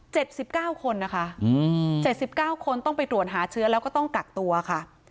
สิบเก้าคนนะคะอืมเจ็ดสิบเก้าคนต้องไปตรวจหาเชื้อแล้วก็ต้องกักตัวค่ะ